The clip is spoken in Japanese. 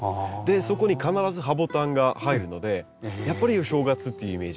そこに必ずハボタンが入るのでやっぱりお正月っていうイメージがありますね。